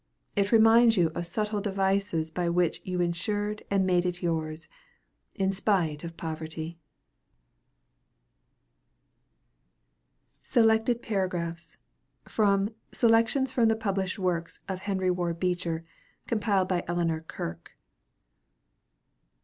It reminds you of subtle devices by which you insured and made it yours, in spite of poverty! Copyrighted by Fords, Howard and Hulbert, New York. SELECTED PARAGRAPHS From 'Selections from the Published Works of Henry Ward Beecher', compiled by Eleanor Kirk.